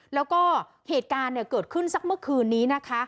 แล้วก็เหตุการณ์เกิดขึ้นสักเมื่อคืนนี้นะคะ